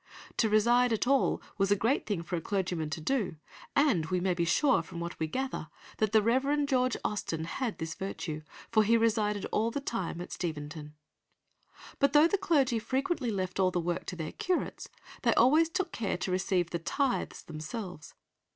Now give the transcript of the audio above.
To reside at all was a great thing for a clergyman to do, and we may be sure, from what we gather, that the Rev. George Austen had this virtue, for he resided all the time at Steventon. But though the clergy frequently left all the work to their curates, they always took care to receive the tithes themselves.